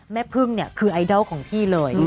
แม่พึ่งเนี่ยคือไอดอลของพี่เลย